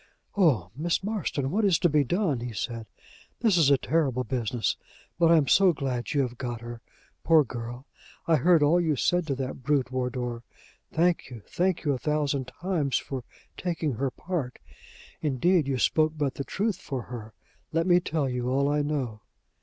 "O Miss Marston! what is to be done?" he said. "This is a terrible business! But I am so glad you have got her, poor girl! I heard all you said to that brute, Wardour. Thank you, thank you a thousand times, for taking her part. Indeed, you spoke but the truth for her. Let me tell you all I know."